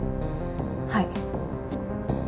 はい。